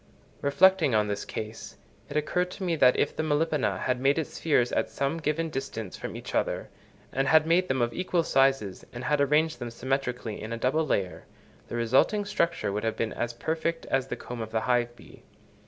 Reflecting on this case, it occurred to me that if the Melipona had made its spheres at some given distance from each other, and had made them of equal sizes and had arranged them symmetrically in a double layer, the resulting structure would have been as perfect as the comb of the hive bee.